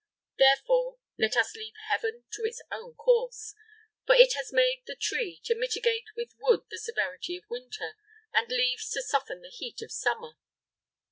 Therefore, let us leave Heaven to its own course; for it has made the tree to mitigate with wood the severity of winter, and leaves to soften the heat of summer."